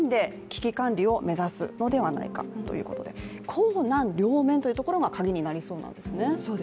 硬軟両面というところがカギになりそうなんですね。